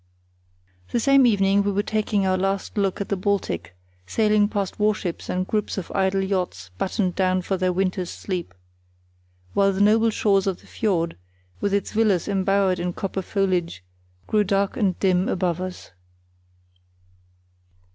The same evening we were taking our last look at the Baltic, sailing past warships and groups of idle yachts battened down for their winter's sleep; while the noble shores of the fiord, with its villas embowered in copper foliage, grew dark and dim above us.